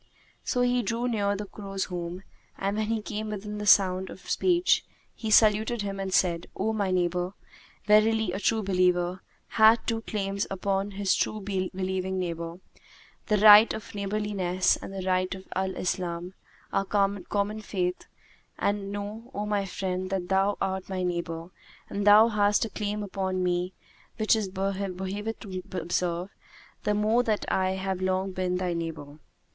So he drew near the crow's home and, when he came within sound of speech, he saluted him and said, "O my neighbour, verily a true believer hath two claims upon his true believing neighbour, the right of neighbourliness and the right of Al Islam, our common faith; and know, O my friend, that thou art my neighbour and thou hast a claim upon me which it behoveth me to observe, the more that I have long been thy neighbour.